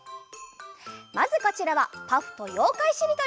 まずこちらは「パフ」と「ようかいしりとり」。